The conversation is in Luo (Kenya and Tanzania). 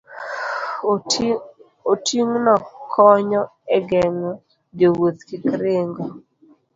Oting'no konyo e geng'o jowuoth kik ringo